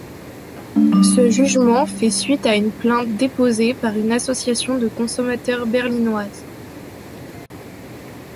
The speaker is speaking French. Ce jugement fait suite à une plainte déposée par une association de consommateurs berlinoise.